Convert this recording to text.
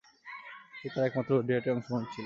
এটিই তার একমাত্র ওডিআইয়ে অংশগ্রহণ ছিল।